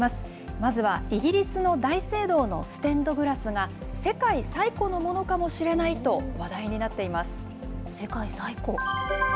まずはイギリスの大聖堂のステンドグラスが、世界最古のものかもしれないと話題になっています。